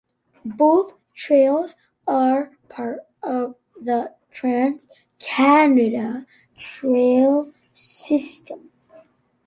Both trails are part of the Trans-Canada Trail system.